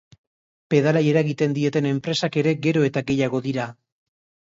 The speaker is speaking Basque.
Pedalei eragiten dieten enpresak ere gero eta gehiago dira.